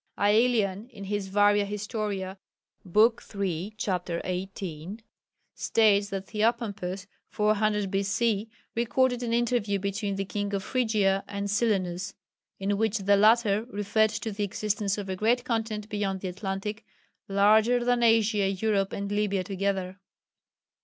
Aelian in his Varia Historia (lib. iii. ch. xviii.), states that Theopompus (400 B.C.) recorded an interview between the King of Phrygia and Silenus, in which the latter referred to the existence of a great continent beyond the Atlantic, larger than Asia, Europe and Libya together.